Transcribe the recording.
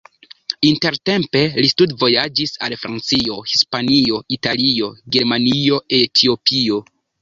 Intertempe li studvojaĝis al Francio, Hispanio, Italio, Germanio, Etiopio.